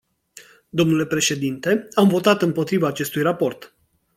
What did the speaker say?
Domnule președinte, am votat împotriva acestui raport.